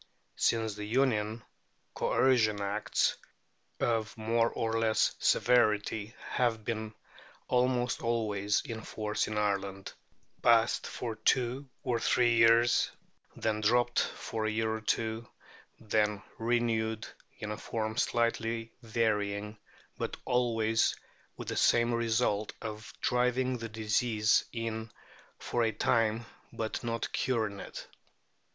Since the Union, Coercion Acts, of more or less severity, have been almost always in force in Ireland, passed for two or three years, then dropped for a year or two, then renewed in a form slightly varying, but always with the same result of driving the disease in for a time, but not curing it.